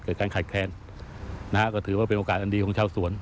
เกิดการแข่งแทนก็ถือว่าเป็นโอกาสอันดีของชาวสวน